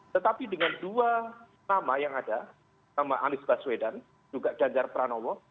tetapi dengan dua nama yang ada nama anies baswedan juga ganjar pranowo